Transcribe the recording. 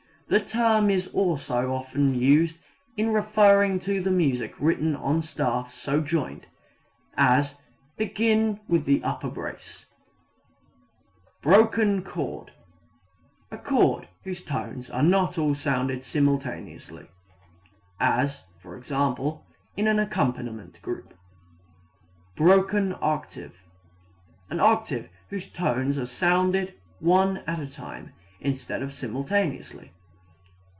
The term is often used also in referring to the music written on staffs so joined; as "Begin with the upper brace." Broken chord a chord whose tones are not all sounded simultaneously, as e.g., in an accompaniment group. Broken octave an octave whose tones are sounded one at a time instead of simultaneously.